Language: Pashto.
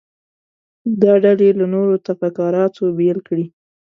دا ډلې له نورو تفکراتو بیل کړي.